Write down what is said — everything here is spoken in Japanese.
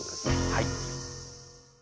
はい。